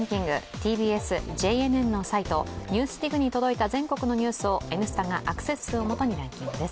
ＴＢＳ・ＪＮＮのサイト「ＮＥＷＳＤＩＧ」に届いた全国のニュースを「Ｎスタ」がアクセス数を基にランキングです。